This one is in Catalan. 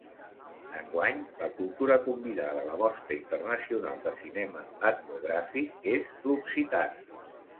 Enguany la cultura convidada a la Mostra Internacional de Cinema Etnogràfic és l'occitana.